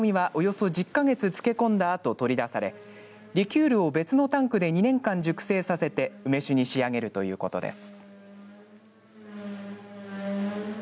梅の実は、およそ１０か月漬け込んだあと取り出されリキュールを別のタンクで２年間熟成させて梅酒に仕上げるということです。